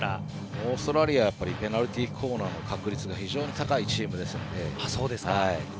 オーストラリアはペナルティーコーナーの確率が非常に高いチームですので。